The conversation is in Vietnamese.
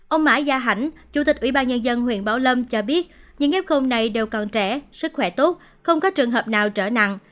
ông mã gia hảnh chủ tịch ủy ban nhân dân huyện bảo lâm cho biết những f này đều còn trẻ sức khỏe tốt không có trường hợp nào trở nặng